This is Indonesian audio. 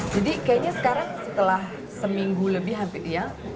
jadi kayaknya sekarang setelah seminggu lebih hampir iya